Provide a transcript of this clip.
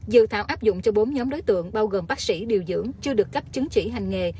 dự thảo áp dụng cho bốn nhóm đối tượng bao gồm bác sĩ điều dưỡng chưa được cấp chứng chỉ hành nghề